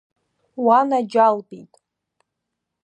Уанаџьалбеит.